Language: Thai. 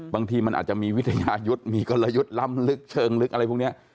บางทีมันอาจจะมีวิทยายุทธ์มีกลยุทธ์ล้ำลึกเชิงลึกอะไรพวกนี้